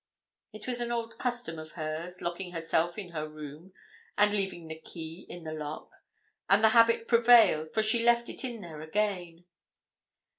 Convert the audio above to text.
It was an old custom of hers, locking herself in her room, and leaving the key in the lock; and the habit prevailed, for she left it there again.